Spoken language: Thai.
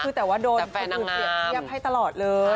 คือแต่ว่าโดนครูเปรียบเทียบให้ตลอดเลย